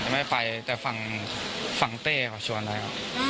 ใช่ไม่ไปแต่ฝั่งเต้ก็ชวนได้